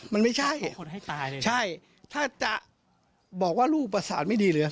มันไม่ใช่ใช่ถ้าจะบอกว่าลูกประสาทไม่ดีเลย